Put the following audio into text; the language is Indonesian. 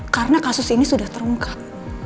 karena kasus ini sudah terungkap